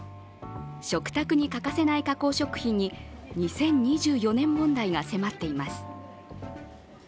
食卓に欠かせない加工食品に２０２４年問題が迫っています。